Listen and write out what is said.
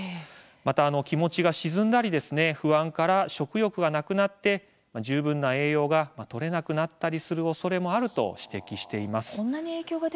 また気持ちが沈んだり不安から食欲がなくなって十分な栄養がとれなくなったりするおそれもあると指摘しています。